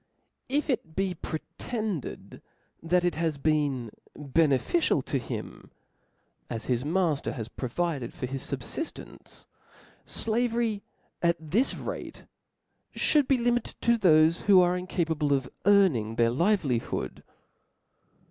If it be pretended, that it has been beneficial to him ; as his mafter has provided for his fubfidence; flavery, at this rate, ftiould be limited to thofc who are incapable of earning their livelihood.